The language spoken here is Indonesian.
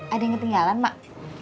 ada yang ketinggalan mak